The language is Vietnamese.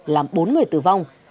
làm bốn người tử vong